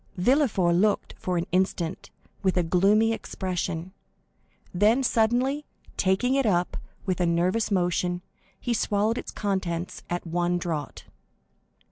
Villefort looked for an instant with a gloomy expression, then, suddenly, taking it up with a nervous motion, he swallowed its contents at one draught.